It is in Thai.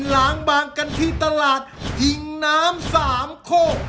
กินล้างบางที่ตลาดหิงน้ำ๓โคก